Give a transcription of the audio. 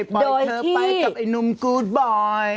ปล่อยเธอไปกับไอ้หนุ่มกูดบอย